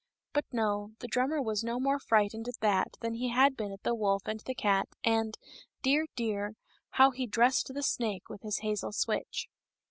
But no; the drummer was no more frightened at that than he had been at the wolf and the cat, and, dear, dear ! how he dressed the snake with his hazel switch.